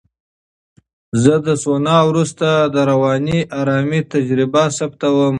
زه د سونا وروسته د رواني آرامۍ تجربه ثبتوم.